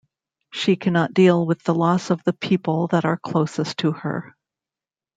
She cannot deal with the loss of the people that are closest to her.